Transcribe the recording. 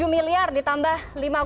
lima ratus tujuh miliar ditambah lima dua